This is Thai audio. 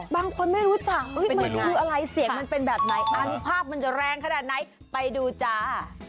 บางคนไม่รู้จักมันคืออะไรเสียงมันเป็นแบบไหนอนุภาพมันจะแรงขนาดไหนไปดูจ้า